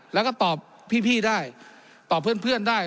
แล้วก็ตอบพี่ได้ตอบเพื่อนได้